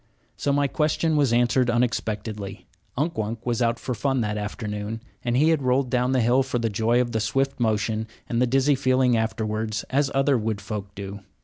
So my question was answered unexpectedly. Unk Wunk was out for fun that afternoon, and had rolled down the hill for the joy of the swift motion and the dizzy feeling afterwards, as other wood folk do.